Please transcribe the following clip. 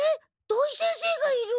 土井先生がいる。